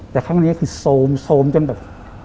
แต่ครั้งนี้คือโซมจนแบบ